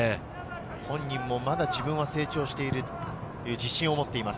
本人もまだ自分は成長している、自信を持っています。